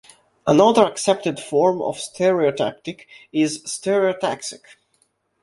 Another accepted form of "stereotactic" is "stereotaxic".